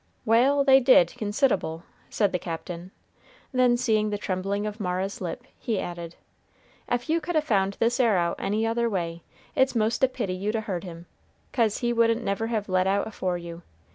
"Wal', they did, consid'able," said the Captain; then seeing the trembling of Mara's lip, he added, "Ef you could a found this 'ere out any other way, it's most a pity you'd a heard him; 'cause he wouldn't never have let out afore you.